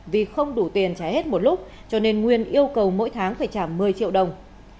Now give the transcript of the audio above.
vì không đủ tiền trả hết một lúc cho nên nguyên yêu cầu mỗi tháng phải trả một mươi triệu đồng